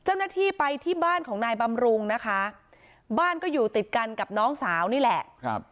เจ้าหน้าที่ไปที่บ้านของนายบำรุงนะคะบ้านก็อยู่ติดกันกับน้องสาวนี่แหละครับ